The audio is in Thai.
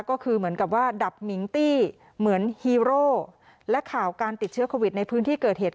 ก็คือเหมือนกับว่าดับมิงตี้เหมือนฮีโร่และข่าวการติดเชื้อโควิดในพื้นที่เกิดเหตุ